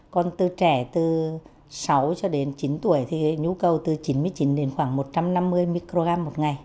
còn từ trẻ từ sáu cho đến chín tuổi thì nhu cầu từ chín mươi chín đến khoảng một trăm năm mươi microgram một ngày